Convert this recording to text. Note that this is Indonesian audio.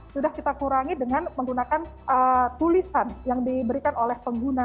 sudah kita kurangi dengan menggunakan tulisan yang diberikan oleh pengguna